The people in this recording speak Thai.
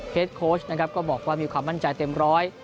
โค้ชนะครับก็บอกว่ามีความมั่นใจเต็มร้อย